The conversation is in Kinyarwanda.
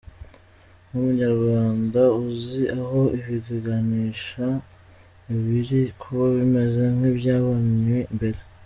Nk’umunyarwanda uzi aho ibi biganisha, ibiri kuba bimeze nk’ibyabonywe mbere.